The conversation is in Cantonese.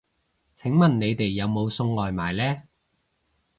請問你哋有冇送外賣呢